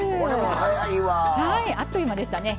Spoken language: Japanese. はいあっという間でしたね。